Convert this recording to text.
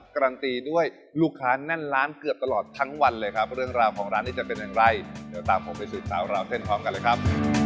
การันตีด้วยลูกค้าแน่นร้านเกือบตลอดทั้งวันเลยครับเรื่องราวของร้านนี้จะเป็นอย่างไรเดี๋ยวตามผมไปสืบสาวราวเส้นพร้อมกันเลยครับ